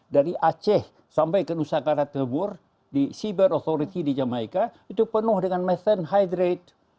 dari aceh sampai ke nusakara terbur di siber authority di jamaica itu penuh dengan metan hydrate